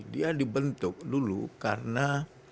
dia dibentuk dulu karena